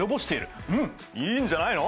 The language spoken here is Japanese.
うんいいんじゃないの。